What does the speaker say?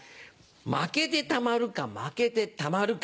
「負けてたまるか負けてたまるか」